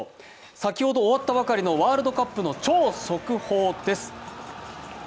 先ほど終わったばかりのワールドカップの超速報です。